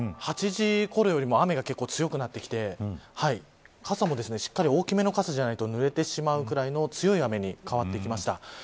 ８時ごろよりも雨が強くなってきて傘もしっかり大きめの傘じゃないとぬれてしまうぐらいの強い雨に変わってきました。